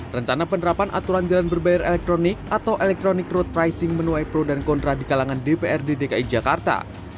rencana penerapan aturan jalan berbayar elektronik atau electronic road pricing menuai pro dan kontra di kalangan dprd dki jakarta